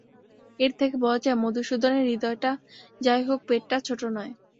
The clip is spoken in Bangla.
এর থেকে বোঝা যায়, মধুসূদনের হৃদয়টা যাই হোক, পেটটা ছোটো নয়।